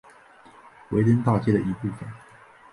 维登大街的一部分。